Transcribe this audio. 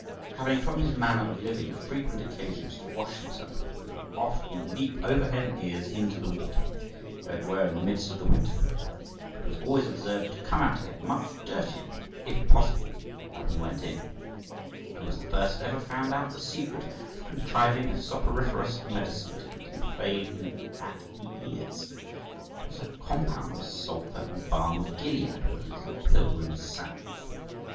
Having from his manner of living frequent occasions to wash himself, he would often leap over head and ears into the water, though it were in the midst of the winter, but was always observed to come out again much dirtier, if possible, than he went in {148c}. He was the first that ever found out the secret of contriving a soporiferous medicine to be conveyed in at the ears {148d}. It was a compound of sulphur and balm of Gilead, with a little pilgrim's salve.